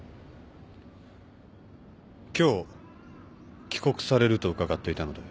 今日帰国されると伺っていたので。